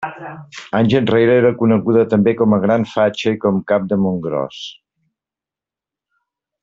Anys enrere era coneguda també com a Gran Fatxa i com Cap de Montgròs.